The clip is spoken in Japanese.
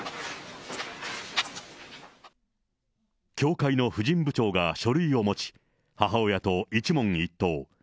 教会の婦人部長が書類を持ち、母親と一問一答。